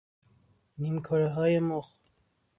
نیمکرههای مخ